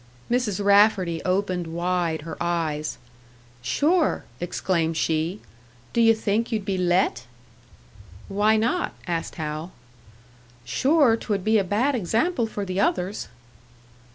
Mrs. Rafferty opened wide her eyes. "Sure," exclaimed she, "do you think you'd be let?" "Why not?" asked Hal. "Sure, 't would be a bad example for the others."